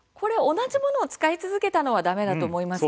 同じものを使い続けたものだめだと思います。